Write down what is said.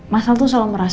mas al tuh selalu merasa